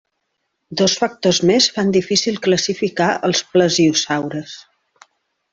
Dos factors més fan difícil classificar els plesiosaures.